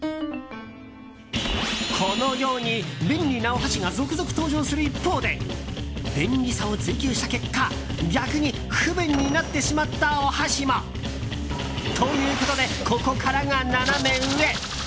このように便利なお箸が続々登場する一方で便利さを追求した結果逆に不便になってしまったお箸も。ということでここからがナナメ上。